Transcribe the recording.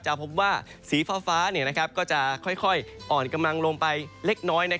พบว่าสีฟ้าก็จะค่อยอ่อนกำลังลงไปเล็กน้อย